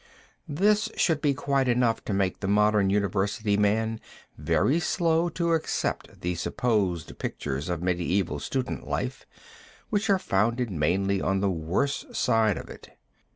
This should be quite enough to make the modern university man very slow to accept the supposed pictures of medieval student life, which are founded mainly on the worse side of it.